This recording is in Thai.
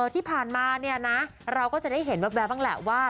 ที่ผ่านมาเนี่ยนะเราก็จะได้เห็นแว๊บบ้างแหละว่า